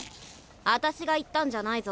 あたしが言ったんじゃないぞ。